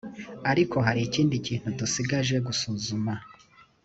ariko hari ikindi kintu dusigaje gusuzuma